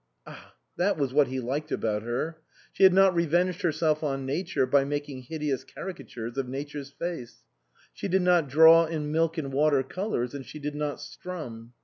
Ah, that was what he liked about her. She had not revenged herself on Nature by making hideous caricatures of Nature's face ; she did not draw in milk and water colours, and she did not strum.